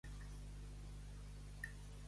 Als pastorets se'ls aparegué la Mare de Déu.